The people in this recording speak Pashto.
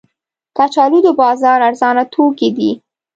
کچالو د بازار ارزانه توکي دي